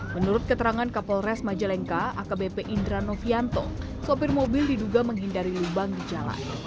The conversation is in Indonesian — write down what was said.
menurut keterangan kapolres majalengka akbp indra novianto sopir mobil diduga menghindari lubang di jalan